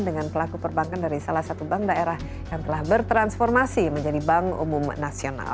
dengan pelaku perbankan dari salah satu bank daerah yang telah bertransformasi menjadi bank umum nasional